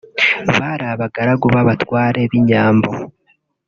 Bari abagaragu b’abatware b’inyambo